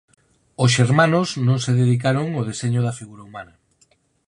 Os xermanos non se dedicaron ao deseño da figura humana.